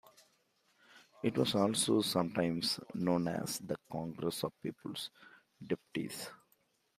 It was also sometimes known as the Congress of People's Deputies.